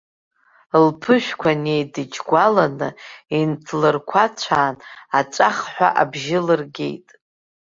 Лԥышәқәа неидыџьгәаланы, инҭлырқәацәаан аҵәахҳәа абжьы лыргеит.